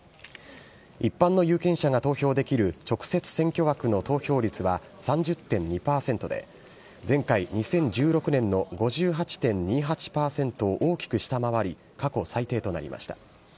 一般の有権者が投票できる直接選挙枠の投票率は３０．２％で、前回・２０１６年の５８．２８％を大きく下回り、過去最低となりました。